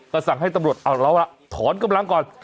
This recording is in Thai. ก็สั่งให้ตำรวจเอาล่ะถอนกำลังก่อน